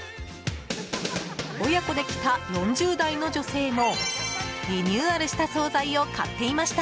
親子で来た４０代の女性もリニューアルした総菜を買っていました。